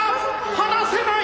離せない！